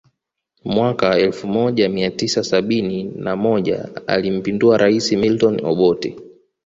Mwaka elfu moja mia tisa sabini na moja alimpindua rais Milton Obote